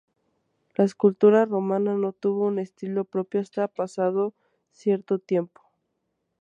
La escultura romana no tuvo un estilo propio hasta pasado cierto tiempo.